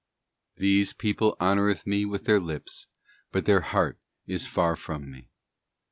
' This people honoureth Me with their lips, but their heart is far from Me.